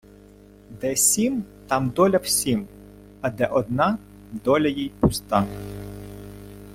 Де сім, там доля всім, а де одна, доля їй пуста.